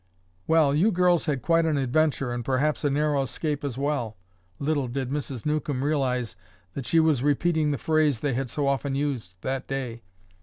"Well, you girls had quite an adventure and perhaps a narrow escape as well." Little did Mrs. Newcomb realize that she was repeating the phrase they had so often used that day.